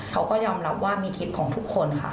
เขาก็ยอมรับว่ามีคลิปของทุกคนค่ะ